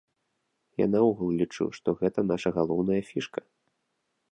Я наогул лічу, што гэта наша галоўная фішка.